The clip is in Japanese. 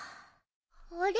あれ？